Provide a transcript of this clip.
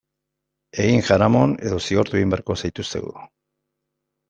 Egin jaramon edo zigortu egin beharko zaituztegu.